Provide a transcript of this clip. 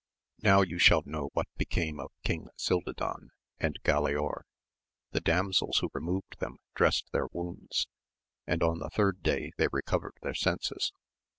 [OW you shall know what became of King Cildadan and Galaor. The damsels who removed them dressed their wounds, and on the third day they recovered their senses.